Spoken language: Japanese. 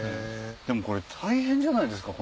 でもこれ大変じゃないですか？